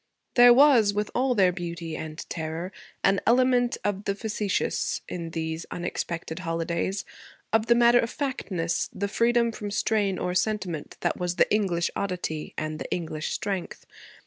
There was, with all their beauty and terror, an element of the facetious in these unexpected holidays, of the matter of factness, the freedom from strain or sentiment that was the English oddity and the English strength.